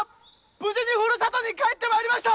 無事にふるさとに帰ってまいりました！